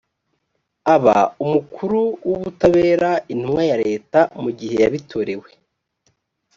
aba umukuru w ubutabera intumwa nkuru ya leta mu gihe yabitorewe